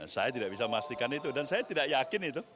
saya tidak bisa memastikan itu dan saya tidak yakin itu